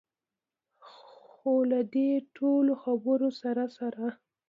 خو له دې ټولو خبرو سره سره.